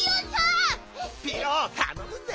ピロたのむぜ！